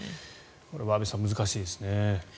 安部さん、難しいですね。